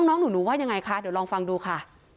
น้องหนูว่ายังไงคะเดี๋ยวลองฟังดูค่ะ